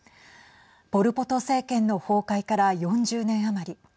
ポル・ポト政権の崩壊から４０年余り。